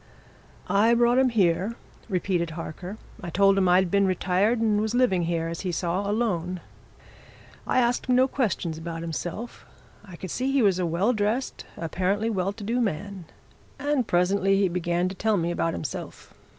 "I brought him here," repeated Harker. "I told him I'd been retired and was living here, as he saw, alone. I asked him no questions about himself I could see he was a well dressed, apparently well to do man. And presently he began to tell me about himself.